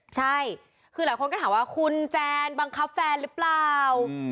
ใช่คือหลายคนก็ถามว่าคุณแจนบังคับแฟนหรือเปล่า